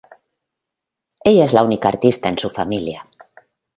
Ella es la única artista en su familia.